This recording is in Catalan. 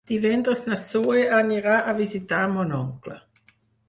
Divendres na Zoè anirà a visitar mon oncle.